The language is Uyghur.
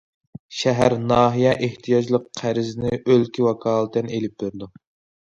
شەھەر، ناھىيە ئېھتىياجلىق قەرزنى ئۆلكە ۋاكالىتەن ئېلىپ بېرىدۇ.